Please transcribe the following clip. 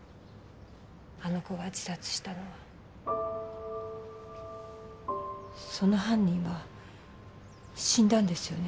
あの子が自殺したのはその犯人は死んだんですよね？